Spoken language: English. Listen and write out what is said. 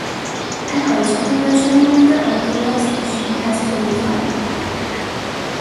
An original version of the authorisation has to be filed.